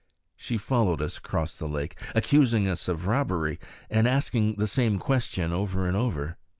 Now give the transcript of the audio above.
She followed us across the lake, accusing us of robbery, and asking the same question over and over.